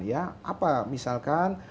ya apa misalkan